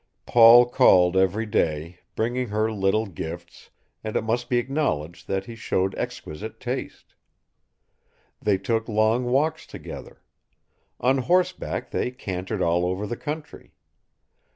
Paul called every day, bringing her little gifts, and it must be acknowledged that he showed exquisite taste. They took long walks together. On horseback they cantered all over the country.